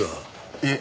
いえ。